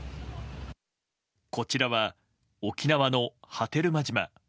こちらは沖縄の波照間島。